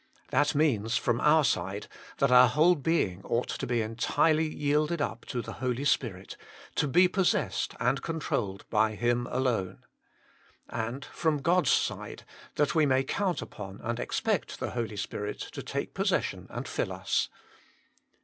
That means, from our side, that our whole being ought to be entirely yielded up to the Holy Spirit, to be possessed and controlled by Him alone. And, from God s side, that we may count upon and expect the Holy Spirit to take possession and fill us.